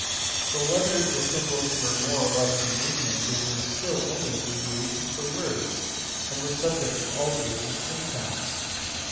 But whether the symbols were more or less convenient they were still only abbreviations for words, and were subject to all the rules of syntax.